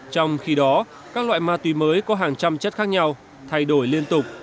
trong khi đó các loại ma túy mới có hàng trăm chất khác nhau thay đổi liên tục